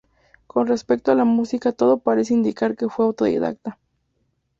Con respecto a la música, todo parece indicar que fue autodidacta.